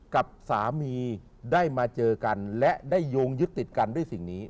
กับสามีได้มาเจอกันและได้โยงยึดติดกันด้วยสิ่งนี้